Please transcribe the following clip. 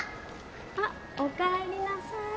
あっおかえりなさい。